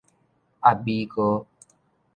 遏米糕